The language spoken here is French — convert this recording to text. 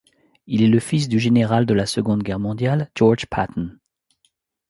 Il est le fils du général de la Seconde Guerre mondiale George Patton.